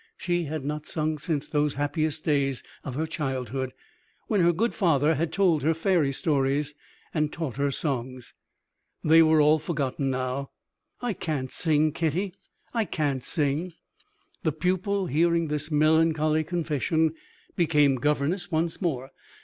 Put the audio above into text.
She had not sung since those happiest days of her childhood, when her good father had told her fairy stories, and taught her songs. They were all forgotten now. "I can't sing, Kitty; I can't sing." The pupil, hearing this melancholy confession, became governess once more.